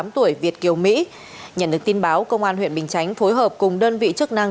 tám mươi tuổi việt kiều mỹ nhận được tin báo công an huyện bình chánh phối hợp cùng đơn vị chức năng